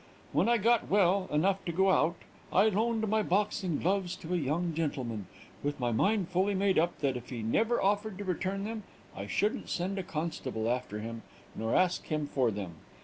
When I got well enough to go out, I loaned my boxing gloves to a young gentleman, with my mind fully made up that if he never offered to return them, I shouldn't send a constable after him, nor ask him for them.